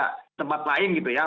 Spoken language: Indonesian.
ada tempat lain gitu ya